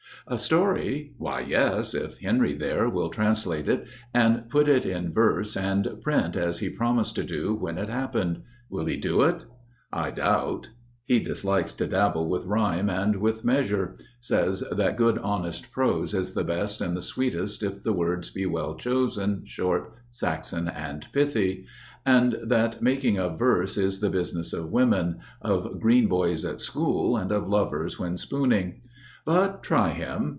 A story? Why, yes. If Henry, there, will translate it And put it in verse and print as he promised To do when it happened. Will he do it? I doubt. He dislikes to dabble with rhyme and with measure. Says that good honest prose is the best and the sweetest If the words be well chosen, short, Saxon, and pithy. And that making of verse is the business of women, Of green boys at school, and of lovers when spooning. But try him.